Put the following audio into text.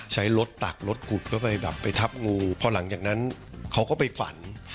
ใช้รถตักรถกุดเข้าไปแบบไปทับงูพอหลังจากนั้นเขาก็ไปฝัน